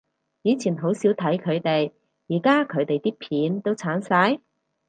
以前好少睇佢哋，而家佢哋啲片都剷晒？